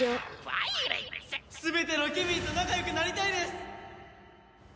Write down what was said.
全てのケミーと仲良くなりたいです！